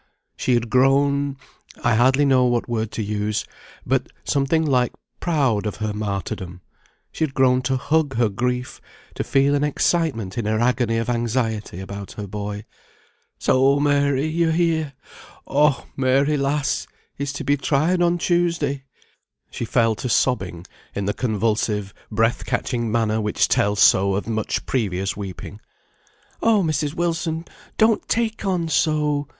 She had grown I hardly know what word to use but, something like proud of her martyrdom; she had grown to hug her grief; to feel an excitement in her agony of anxiety about her boy. "So, Mary, you're here! Oh! Mary, lass! He's to be tried on Tuesday." She fell to sobbing, in the convulsive breath catching manner which tells so of much previous weeping. "Oh! Mrs. Wilson, don't take on so!